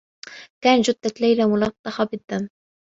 كانت جثّة ليلى ملطّخة بالدّم.